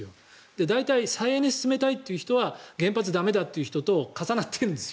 大体、再エネを進めたいという人は原発駄目だという人と重なってるんです。